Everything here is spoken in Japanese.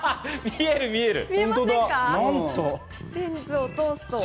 見える、見える。